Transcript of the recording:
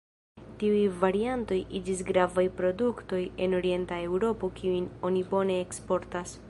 Tiuj variantoj iĝis gravaj produktoj en Orienta Eŭropo kiujn oni bone eksportas.